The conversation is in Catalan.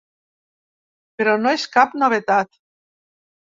Però no és cap novetat.